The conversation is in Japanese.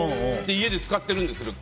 家で使っているんですけど。